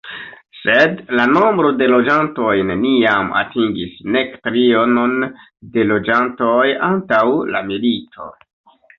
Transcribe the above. Sed la nombro de loĝantoj neniam atingis nek trionon de loĝantoj antaŭ la milito.